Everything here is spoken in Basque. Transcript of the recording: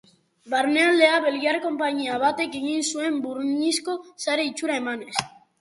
Barnealdea belgiar konpainia batek egin zuen burnizko sare itxura emanez.